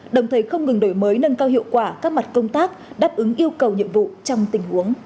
đồng thời không ngừng đổi mới nâng cao hiệu quả các mặt công tác đáp ứng yêu cầu nhiệm vụ trong tình huống